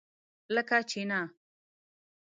لکه چینۀ!